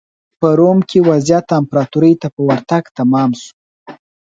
په روم کې وضعیت امپراتورۍ ته په ورتګ تمام شو.